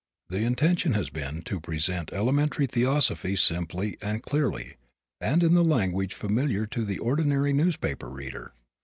The intention has been to present elementary theosophy simply and clearly and in the language familiar to the ordinary newspaper reader.